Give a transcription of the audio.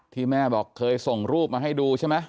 ที่แม่บอกเคยส่งรูปมาให้ดูใช่ไหม